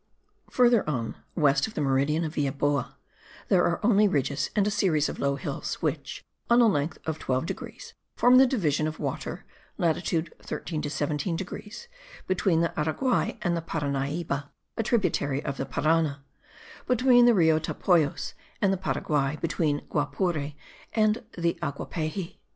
Further on, west of the meridian of Villaboa, there are only ridges and a series of low hills which, on a length of 12 degrees, form the division of water (latitude 13 to 17 degrees) between the Araguay and the Paranaiba (a tributary of the Parana), between the Rio Topayos and the Paraguay, between the Guapore and the Aguapehy.